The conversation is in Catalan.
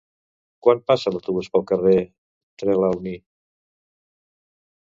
Quan passa l'autobús pel carrer Trelawny?